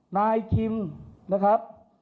นายคิมนะครับ